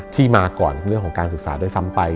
ที่มาก่อนเรื่องของการศึกษาด้วยซ้ำไป